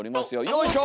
よいしょ！